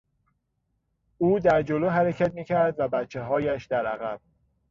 او در جلو حرکت میکرد و بچههایش در عقب.